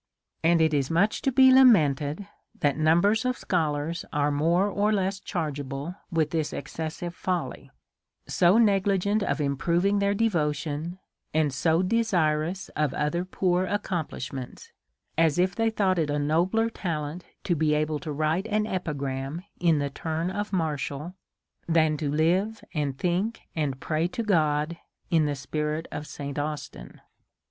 And it is much to be lamented that numbers of scholars are more or less chargeable with this exces sive folly ; so negligent of improving their devotion, and so desirous of other poor accomplishments, as if they thought it a nobler talent to be able to write an epigram in the turn of Martial, than to live, and think, and pray to God, in the spirit of St. Austin.